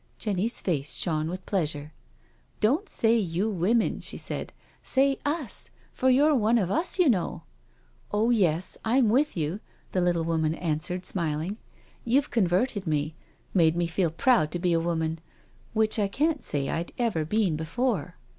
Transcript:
*' Jenny's face shone with pleasure. " Don't say you women/' she said, " say tts^ for you're one of us now, you know." " Oh yes, I'm with you," the little woman answered, smiling. " You've converted me— made me feel proud to be a woman— which I can't say I'd ever been before."